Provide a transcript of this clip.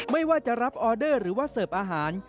ไม่ว่าจะรับออเดอร์หรือว่าเสิร์ฟอาหาร